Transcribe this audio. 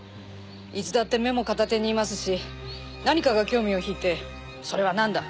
いつだってメモ片手にいますし何かが興味を引いてそれはなんだ？